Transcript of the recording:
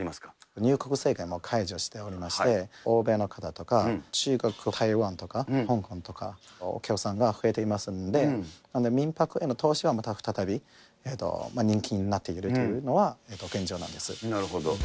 入国制限も解除しておりまして、欧米の方とか、中国、台湾とか、香港とか、お客さんが増えていますんで、民泊への投資はまた再び人気になっているというのは、現状なんでなるほど。